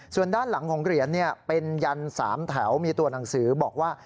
ส่วนด้านหลังของเหรียญเป็นยัน๓แถวมีตัวหนังสือบอกว่า